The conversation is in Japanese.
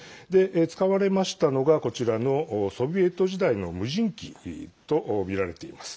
使われましたのが、こちらのソビエト時代の無人機と見られています。